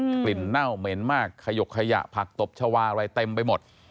กลิ่นเน่าเหม็นมากขยกขยะผักตบชาวาอะไรเต็มไปหมด